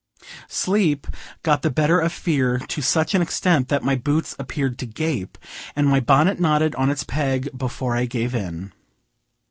Sleep got the better of fear to such an extent that my boots appeared to gape, and my bonnet nodded on its peg, before I gave in.